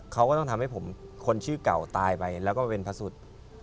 เขาก็ต้องทำให้ผมคนชื่อเก่าตายไปแล้วก็เป็นพระสุด